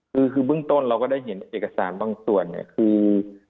คือเบื้องต้นเราก็ได้เห็นเอกสารบางส่วนเนี่ยคือ